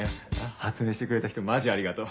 発明してくれた人マジありがとう。